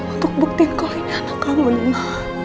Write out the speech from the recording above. untuk bukti kau ini anak kamu nino